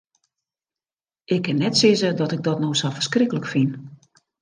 Ik kin net sizze dat ik dat no sa ferskriklik fyn.